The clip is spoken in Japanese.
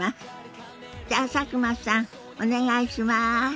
じゃあ佐久間さんお願いします。